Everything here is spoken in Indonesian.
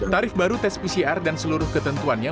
tarif baru tes pcr dan seluruh ketentuannya